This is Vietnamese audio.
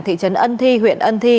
thị trấn ân thi huyện ân thi